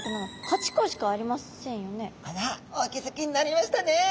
あらっお気付きになりましたね！